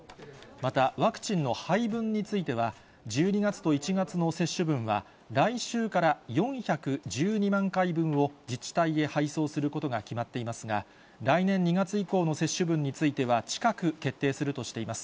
また、ワクチンの配分については、１２月と１月の接種分は来週から４１２万回分を自治体へ配送することが決まっていますが、来年２月以降の接種分については、近く決定するとしています。